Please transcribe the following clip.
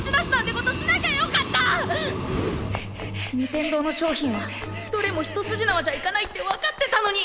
天堂の商品はどれも一筋縄じゃいかないって分かってたのに。